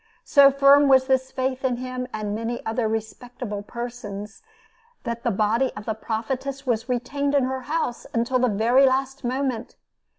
So firm was this faith in him and many other respectable persons, that the body of the Prophetess was retained in her house until the very last moment.